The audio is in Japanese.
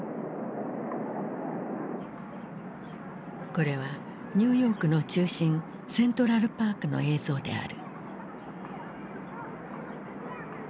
これはニューヨークの中心セントラル・パークの映像である。